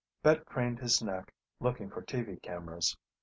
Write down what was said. Brett craned his neck, looking for TV cameras.